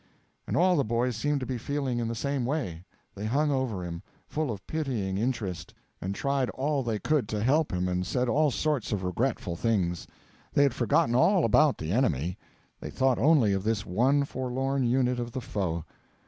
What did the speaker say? And all the boys seemed to be feeling in the same way; they hung over him, full of pitying interest, and tried all they could to help him, and said all sorts of regretful things. They had forgotten all about the enemy; they thought only of this one forlorn unit of the foe.